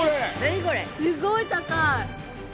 すごい高い！